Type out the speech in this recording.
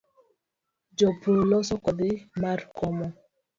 Jopur loso kodhi mar komo